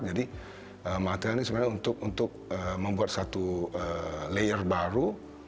jadi manfaatnya ini sebenarnya untuk membuat satu layer baru